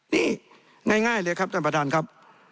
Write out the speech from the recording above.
นี่ง่ายเลยครับท่านประธานครับ